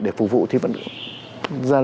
để phục vụ thì vẫn được